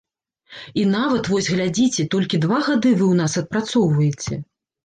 І нават вось, глядзіце, толькі два гады вы ў нас адпрацоўваеце.